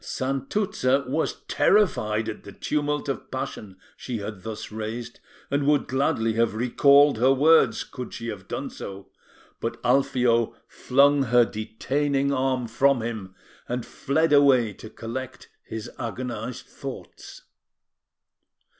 Santuzza was terrified at the tumult of passion she had thus raised, and would gladly have recalled her words, could she have done so; but Alfio flung her detaining arm from him, and fled away to collect his agonised thoughts.